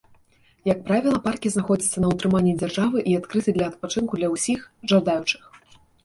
Як правіла, паркі знаходзяцца на ўтрыманні дзяржавы і адкрыты для адпачынку для ўсіх жадаючых.